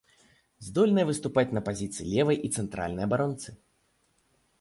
Здольная выступаць на пазіцыі левай і цэнтральнай абаронцы.